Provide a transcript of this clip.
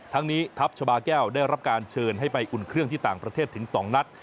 ทั้งนี้ทัพชาบาแก้วได้รับการเชิญให้ไปอุ่นเครื่องที่ต่างประเทศถึง๒นัด